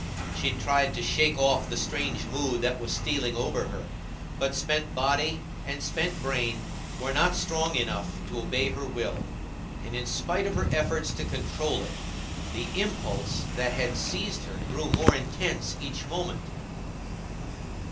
She tried to shake off the strange mood that was stealing over her, but spent body and spent brain were not strong enough to obey her will, and, in spite of her efforts to control it, the impulse that had seized her grew more intense each moment.